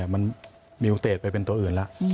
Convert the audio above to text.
มันมิวเตจไปเป็นตัวอื่นแล้ว